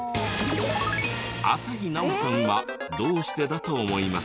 朝日奈央さんはどうしてだと思います？